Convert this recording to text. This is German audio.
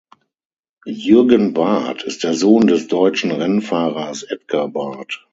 Jürgen Barth ist der Sohn des deutschen Rennfahrers Edgar Barth.